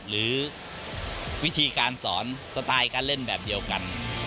หรือวิธีการสอนสไตล์การเล่นแบบเดียวกัน